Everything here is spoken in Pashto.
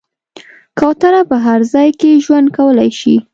کوتره په هر ځای کې ژوند کولی شي.